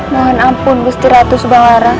mohon ampun gusip ratu subang lara